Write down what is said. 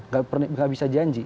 nggak bisa janji